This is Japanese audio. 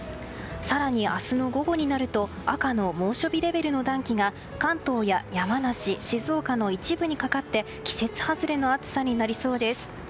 更に明日の午後になると赤の猛暑日レベルの暖気が関東や山梨静岡の一部にかかって季節外れの暑さになりそうです。